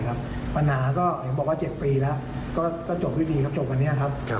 ปัญหาก็อยากบอกว่าเจ็บปีละก็จบวิธีการสอนงานวันนี้